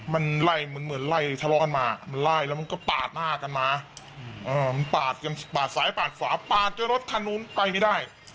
มันไล่เหมือนไล่ทะเลาะกันมามันไล่แล้วมันก็ปาดหน้ากันมามันปาดกันปาดซ้ายปาดขวาปาดจนรถคันนู้นไปไม่ได้